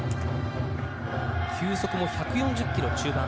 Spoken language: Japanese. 球速も１４０キロ中盤。